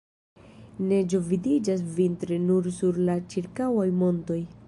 Neĝo vidiĝas vintre nur sur la ĉirkaŭaj montoj.